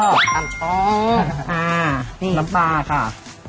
น้ำปลา